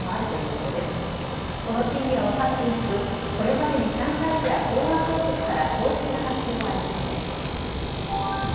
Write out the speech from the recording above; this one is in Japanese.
この真偽は分かっていなくこれまでに上海市や公安当局から公式な発表はありません。